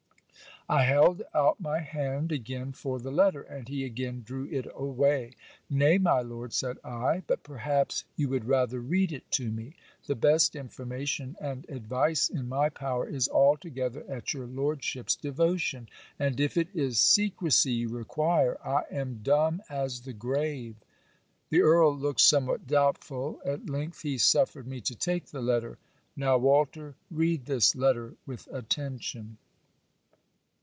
I held out my hand again for the letter, and he again drew it away. 'Nay, my Lord,' said I: 'But perhaps you would rather read it to me. The best information and advice in my power is altogether at your lordship's devotion; and, if it is secresy you require, I am dumb as the grave.' The Earl looked somewhat doubtful. At length he suffered me to take the letter. Now, Walter, read this letter, with attention.